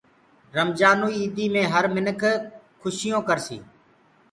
رمجآنٚوئي ايٚدي مي هر مِنک کوشيونٚ ڪرسي